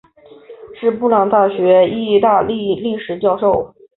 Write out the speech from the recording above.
是布朗大学意大利历史教授。